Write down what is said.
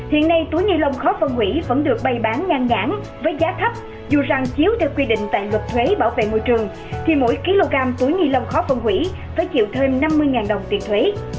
hiện nay túi ni lông khó phân hủy vẫn được bày bán ngang ngãn với giá thấp dù rằng chiếu theo quy định tại luật thuế bảo vệ môi trường thì mỗi kg túi ni lông khó phân hủy phải chịu thêm năm mươi đồng tiền thuế